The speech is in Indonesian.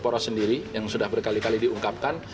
poros sendiri yang sudah berkali kali diungkapkan